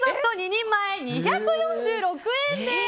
２人前２４６円です！